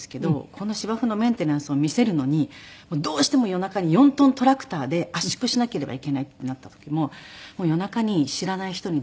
この芝生のメンテナンスを見せるのにどうしても夜中に４トントラクターで圧縮しなければいけないってなった時も夜中に知らない人に電話をして。